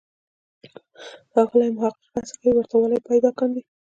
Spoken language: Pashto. ښاغلی محق هڅه کوي ورته والی پیدا کاندي.